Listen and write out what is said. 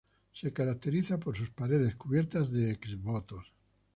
Se caracteriza por sus paredes cubiertas de exvotos.